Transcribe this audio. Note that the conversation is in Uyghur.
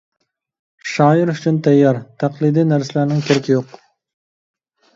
شائىر ئۈچۈن تەييار، تەقلىدىي نەرسىلەرنىڭ كېرىكى يوق.